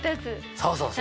そうそうそう。